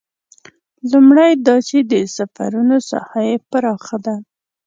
لومړی دا چې د سفرونو ساحه یې پراخه ده.